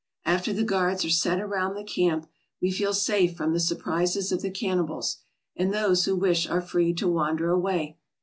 After the guards are set around the camp we feel safe from the surprises of the canni bals, and those who wish are free to wander away.